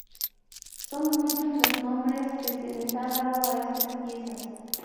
Son muchos los nombres que se les ha dado a estas piezas.